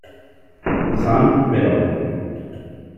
S. Peloro.